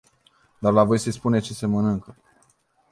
Dar le voi spune ce mănâncă.